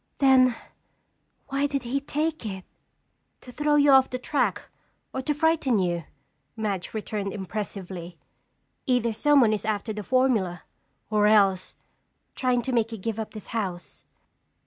"Then why did he take it?" "To throw you off the track or to frighten you," Madge returned impressively. "Either someone is after the formula or else trying to make you give up this house."